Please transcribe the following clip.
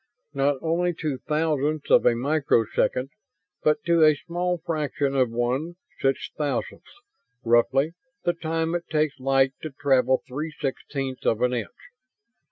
Not only to thousandths of a microsecond, but to a small fraction of one such thousandth: roughly, the time it takes light to travel three sixteenths of an inch.